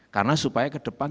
karena supaya ke depan